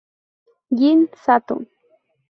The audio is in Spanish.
Jin Sato